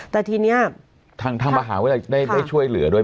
แต่ทีนี้ทางมหาวิทยาลัยได้ช่วยเหลือด้วย